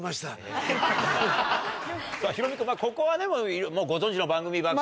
ヒロミ君ここはもうご存じの番組ばっかり。